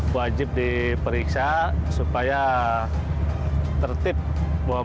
wajib diperiksa supaya tertip bahwa mereka tidak melakukan penyelamatan